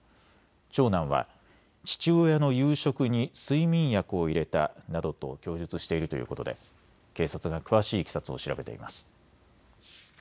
長男は父親の夕食に睡眠薬を入れたなどと供述しているということで警察が詳しいいきさつを調べています。